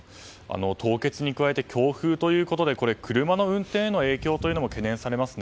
凍結に加えて強風ということで車の運転への影響も懸念されますね。